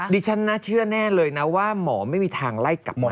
ดิฉันน่าเชื่อแน่เลยนะว่าหมอไม่มีทางไล่กลับมา